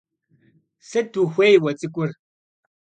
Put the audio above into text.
Сыт ухуей уэ цӀыкӀур?